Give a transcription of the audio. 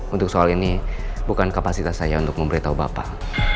untuk soal ini bukan kapasitas saya untuk memberitahu bapak